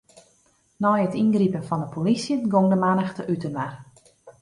Nei it yngripen fan 'e polysje gong de mannichte útinoar.